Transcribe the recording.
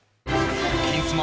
「金スマ」